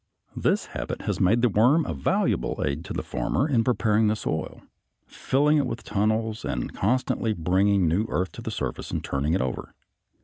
This habit has made the worm a valuable aid to the farmer in preparing the soil, filling it with tunnels and constantly bringing new earth to the surface and turning it over.